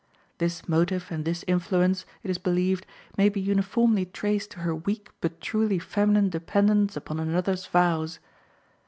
This motive and this influence, it is believed, may be uniformly traced to her weak but truly feminine dependence upon another's vows.